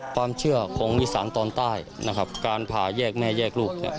ความเชื่อของอีสานตอนใต้การพาแยกแม่แยกลูก